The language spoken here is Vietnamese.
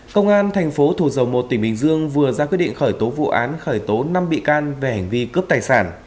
công an thành phố thủ dầu một tỉnh bình dương vừa ra quyết định khởi tố vụ án khởi tố năm bị can về hành vi cướp tài sản